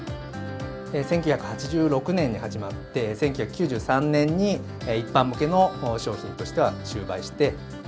１９８６年に始まって、１９９３年に一般向けの商品としては終売して。